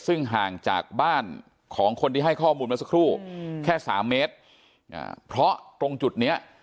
ซึ่งห่างจากบ้านของคนที่ให้ข้อมูลมาสักครู่แค่สามเมตรเพราะตรงจุดเนี้ย